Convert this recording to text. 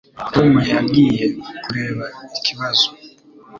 Tom yagiye kureba ikibazo